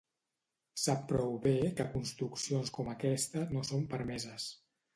Sap prou bé que construccions com aquesta no són permeses.